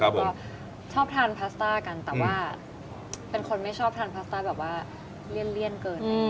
แล้วก็ชอบทานพาสต้ากันแต่ว่าเป็นคนไม่ชอบทานพาสต้าแบบว่าเลี่ยนเกิน